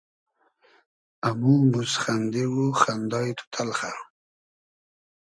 امو موسخئندی و خئندای تو تئلخۂ